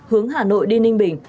hướng hà nội đi ninh bình